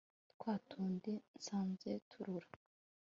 twa dutindi nsanze turura